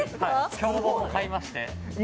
教本も買いまして。